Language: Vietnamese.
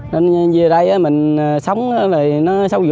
nên về đây mình sống